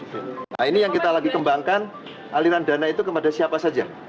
nah ini yang kita lagi kembangkan aliran dana itu kepada siapa saja